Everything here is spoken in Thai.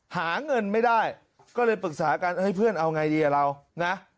หาเงินไม่ได้ก็เลยปรึกษากันเฮ้ยเพื่อนเอาไงดีอ่ะเรานะ